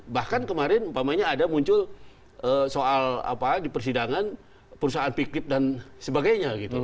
bahkan kemarin umpamanya ada muncul soal apa di persidangan perusahaan piktif dan sebagainya gitu